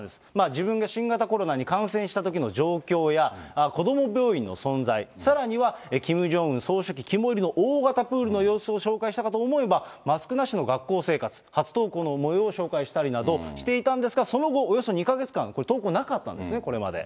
自分が新型コロナに感染したときの状況や、子ども病院の存在、さらにはキム・ジョンウン総書記肝煎りの大型プールの様子を紹介したかと思えば、マスクなしの学校生活、初登校のもようを紹介したりなどしていたんですが、その後、およそ２か月間、投稿なかったんですね、これまで。